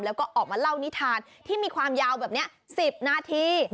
แล้วก็ออกมาเล่านิทานที่มีความยาวแบบนี้๑๐นาที